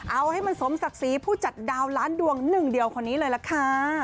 เอาให้มันสมศักดิ์ศรีผู้จัดดาวล้านดวงหนึ่งเดียวคนนี้เลยล่ะค่ะ